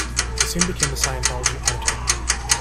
He soon became a Scientology auditor.